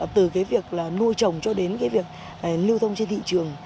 từ việc nuôi chồng cho đến việc lưu thông trên thị trường